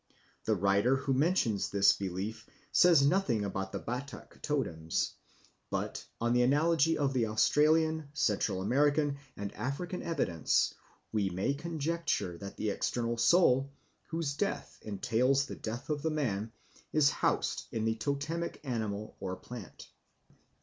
The writer who mentions this belief says nothing about the Batak totems; but on the analogy of the Australian, Central American, and African evidence we may conjecture that the external soul, whose death entails the death of the man, is housed in the totemic animal or plant.